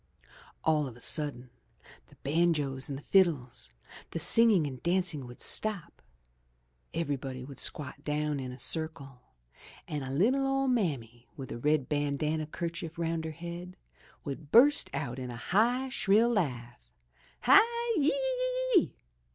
All of a sudden, the banjos and the fiddles, the singing and dancing would stop, everybody would squat down in a circle, and a little old mammy with a red bandana kerchief round her head would burst out in a high, shrill laugh, *'Hi, yi, yi, yi!'